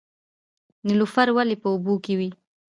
نیلوفر ولې په اوبو کې وي؟